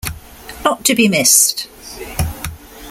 Not to be missed.